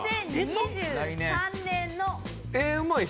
２０２３年の。